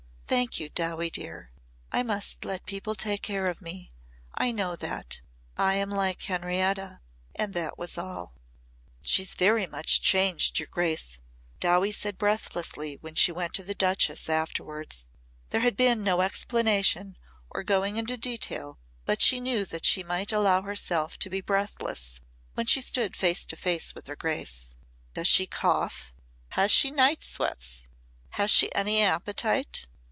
Thank you, Dowie dear. I must let people take care of me. I know that. I am like Henrietta." And that was all. "She's very much changed, your grace," Dowie said breathlessly when she went to the Duchess afterwards. There had been no explanation or going into detail but she knew that she might allow herself to be breathless when she stood face to face with her grace. "Does she cough? Has she night sweats? Has she any appetite?"